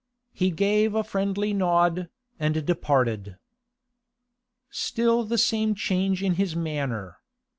He gave a friendly nod, and departed. Still the same change in his manner.